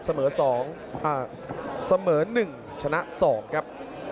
เสมอ๑ชนะ๒ครับ